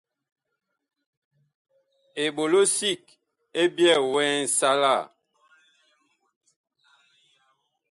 Eɓolo sig ɛ byɛɛ wɛɛ nsalaa.